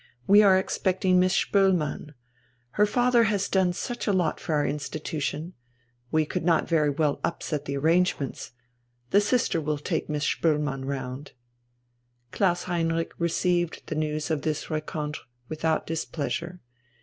We are expecting Miss Spoelmann. Her father has done such a lot for our institution.... We could not very well upset the arrangements. The sister will take Miss Spoelmann round." Klaus Heinrich received the news of this rencontre without displeasure.